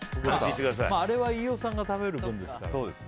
あれは飯尾さんが食べる分ですから。